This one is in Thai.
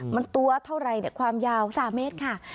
มันตัวเท่าไรความยาว๓เมตรค่ะ